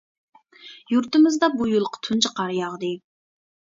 يۇرتىمىزدا بۇ يىلقى تۇنجى قار ياغدى.